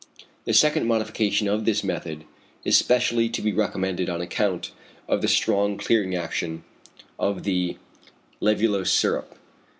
The second modification of this method is specially to be recommended on account of the strong clearing action of the lævulose syrup.